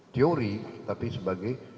teori tapi sebagai